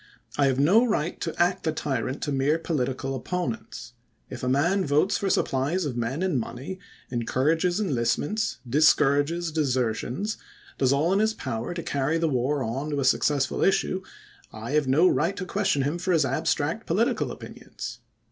I have no right to act the tyrant to mere political opponents. If a man votes for supplies of men and money, encourages enlistments, discourages desertions, does all in his power to cany the war on to a successful issue, I have no right to ques tion him for his abstract political opinions.